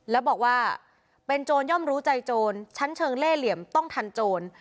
แล้วบอกว่าเป็นโจรย่อมรู้ใจโจรชั้นเชิงเล่เหลี่ยมต้องทันโจร